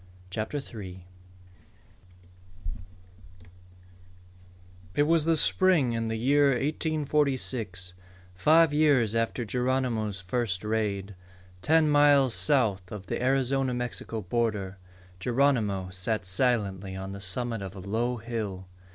CHAPTER THREE Alope It was spring in the year 1846, five years after Geronimo's first raid. Ten miles south of the Arizona Mexico border, Geronimo sat silently on the summit of a low hill.